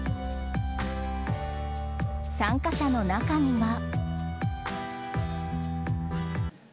参加者の中には。